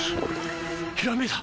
ひらめいた！